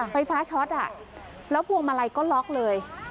ไฟฟ้าช็อตแล้วพวงมาลัยก็ล็อกเลย